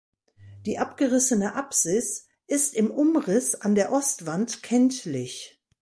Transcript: Die abgerissene Apsis ist im Umriss an der Ostwand kenntlich.